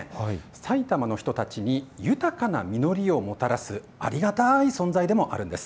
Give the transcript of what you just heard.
埼玉の人たちに豊かな実りをもたらすありがたい存在でもあるんです。